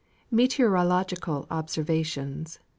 METEOROLOGICAL OBSERVATIONS.